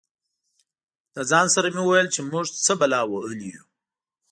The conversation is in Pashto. له ځان سره مې ویل چې موږ څه بلا وهلي یو.